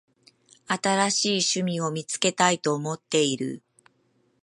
新しい趣味を見つけたいと思っている。